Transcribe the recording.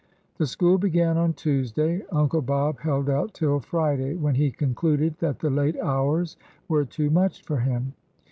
The school began on Tuesday. Uncle Bob held out till Friday, when he concluded that the late hours were too much for him.